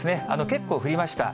結構降りました。